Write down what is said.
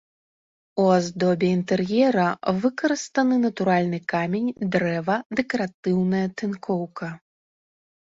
У аздобе інтэр'ера выкарыстаны натуральны камень, дрэва, дэкаратыўная тынкоўка.